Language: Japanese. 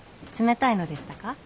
冷たいのでしたか？